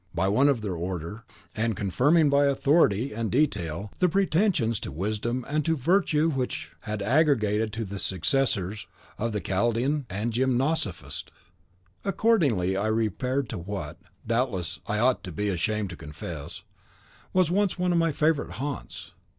by one of their own order, and confirming by authority and detail the pretensions to wisdom and to virtue which Bringaret had arrogated to the successors of the Chaldean and Gymnosophist. Accordingly I repaired to what, doubtless, I ought to be ashamed to confess, was once one of my favourite haunts.